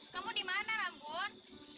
kamu dimana rambut